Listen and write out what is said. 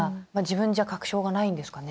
自分じゃ確証がないんですかね？